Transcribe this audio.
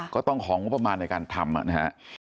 ก็ต้องหอมว่าประมาณในการทำ